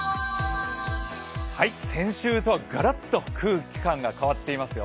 先週とはガラッと空気感が変わっていますよ。